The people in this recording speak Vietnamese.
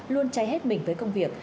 luôn cháy hết mình với công việc